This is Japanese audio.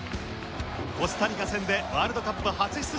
コスタリカ戦でワールドカップ初出場。